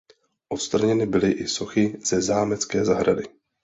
Odstraněny byly i sochy ze zámecké zahrady.